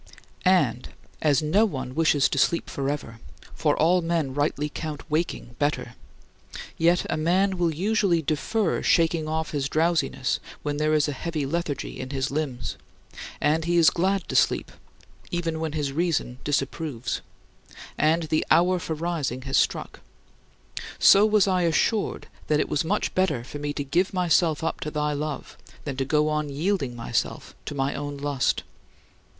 And as no one wishes to sleep forever (for all men rightly count waking better) yet a man will usually defer shaking off his drowsiness when there is a heavy lethargy in his limbs; and he is glad to sleep on even when his reason disapproves, and the hour for rising has struck so was I assured that it was much better for me to give myself up to thy love than to go on yielding myself to my own lust.